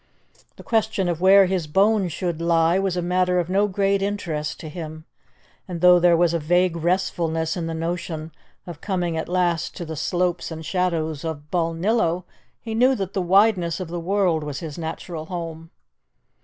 The question of where his bones should lie was a matter of no great interest to him, and though there was a vague restfulness in the notion of coming at last to the slopes and shadows of Balnillo, he knew that the wideness of the world was his natural home.